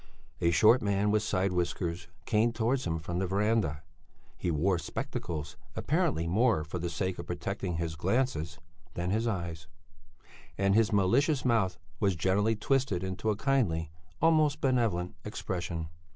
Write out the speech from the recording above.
A short man with side whiskers came towards him from the verandah; he wore spectacles, apparently more for the sake of protecting his glances than his eyes, and his malicious mouth was generally twisted into a kindly, almost benevolent, expression.